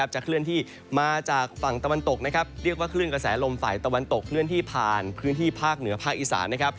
จะเคลื่อนที่มาจากฝั่งตะวันตกเรียกว่าคลื่นกระแสลมฝ่ายตะวันตกเคลื่อนที่ผ่านพื้นที่ภาคเหนือภาคอีสาน